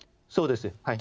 そうです。